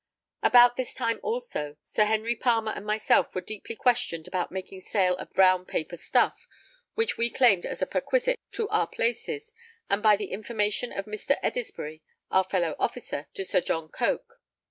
About this time also, Sir Henry Palmer and myself were deeply questioned about making sale of brown paper stuff which we claimed as a perquisite to our places, and by the information of Mr. Edisbury, our fellow officer, to Sir John Coke.